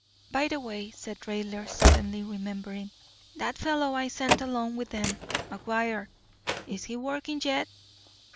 "By the way," said Raidler, suddenly remembering, "that fellow I sent along with them—McGuire—is he working yet?"